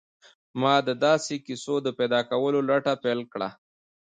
ما د داسې کيسو د پيدا کولو لټه پيل کړه.